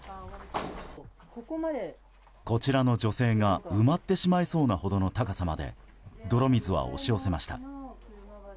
こちらの女性が埋まってしまいそうなほどの高さまで泥水は押し寄せました。